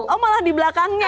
oh malah di belakangnya